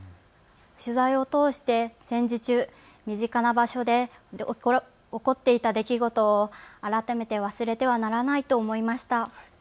取材を通して戦時中、身近な場所で起こっていた出来事を改めて忘れてはならないと思いました。